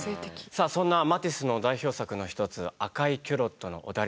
さあそんなマティスの代表作の一つ「赤いキュロットのオダリスク」。